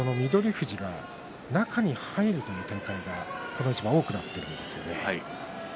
富士が中に入るという展開がこの一番多くなっていますよね。